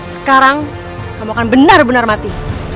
sekarang kamu akan benar benar mati